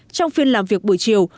trong phiên làm việc buổi chiều